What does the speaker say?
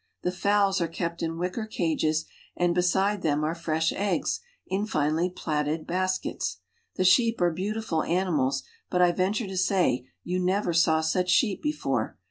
The fowls are kept in wicker cages, and beside them are fresh eggs in finely plaited baskets. The sheep are beautiful animals, but I venture to say you never saw such sheep before.